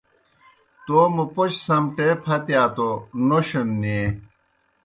تومہ پوْچہ سمٹے پھتِیا توْ نوشَن نیں۔